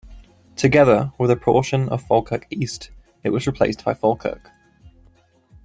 Together with a portion of Falkirk East, it was replaced by Falkirk.